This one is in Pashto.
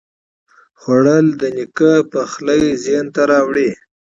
خوړل د نیکه پخلی ذهن ته راوړي